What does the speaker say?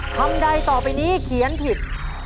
คำใดต่อไปนี้เขียนผิด